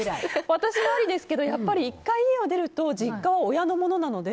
私もありですけどやっぱり１回家を出ると実家は親のものなので。